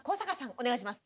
お願いします。